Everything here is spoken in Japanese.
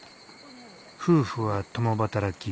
夫婦は共働き。